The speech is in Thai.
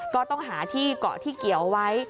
ก็ต้องหาที่เกาะที่เกี่ยวไว้